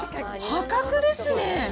破格ですね。